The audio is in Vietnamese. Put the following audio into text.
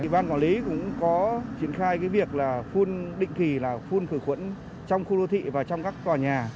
bàn quản lý cũng có triển khai cái việc là phun định kỳ là phun phử khuẩn trong khu đô thị và trong các tòa nhà